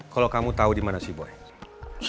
kalau kamu tau dia kamu bisa ngejar ngejar gua